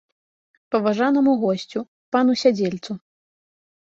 Паважанаму госцю, пану сядзельцу.